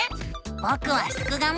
ぼくはすくがミ！